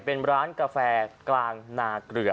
เป็นร้านกาแฟกลางนาเกลือ